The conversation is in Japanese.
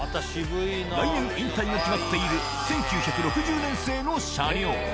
来年、引退が決まっている１９６０年製の車両。